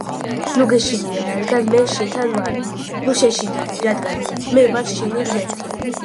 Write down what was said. ნუ გეშინია, რადგან მე შენთან ვარ; ნუ შეშინდები, რადგან მე ვარ შენი ღმერთი.